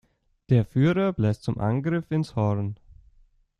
Der Führer bläst zum Angriff ins Horn.